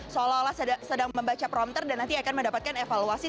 seolah olah sedang membaca promter dan nanti akan mendapatkan evaluasi